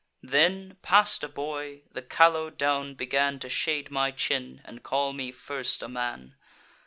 Then, past a boy, the callow down began To shade my chin, and call me first a man.